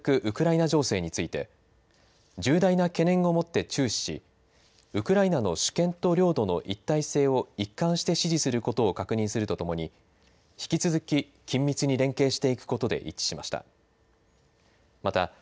ウクライナ情勢について、重大な懸念を持って注視し、ウクライナの主権と領土の一体性を一貫して支持することを確認するとともに、引き続き緊密に連携していくことで一致しました。